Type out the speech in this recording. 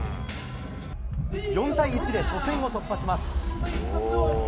４対１で初戦を突破します。